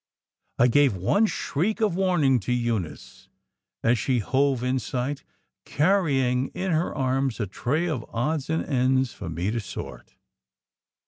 I gave one shriek of warning to Eunice as she hove in sight, carrying in her arms a tray of odds and ends for me to sort.